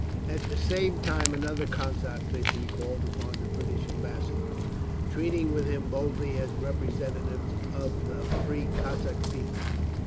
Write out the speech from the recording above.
At the same time another Cossack mission called upon the British ambassador, treating with him boldly as representatives of "the free Cossack people."